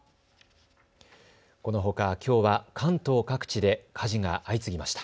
このほか、きょうは関東各地で火事が相次ぎました。